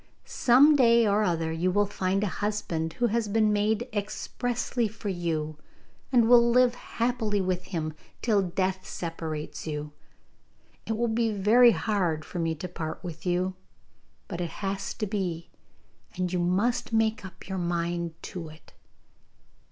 Some day or other you will find a husband who has been made expressly for you, and will live happily with him till death separates you. It will be very hard for me to part from you, but it has to be, and you must make up your mind to it.